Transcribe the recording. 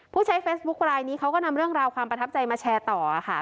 ผู้ใช้เฟซบุ๊คลายนี้เขาก็นำเรื่องราวความประทับใจมาแชร์ต่อค่ะ